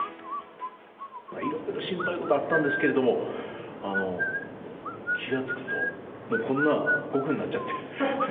いろいろ心配事あったんですけれども、気が付くと、こんな悟空になっちゃって。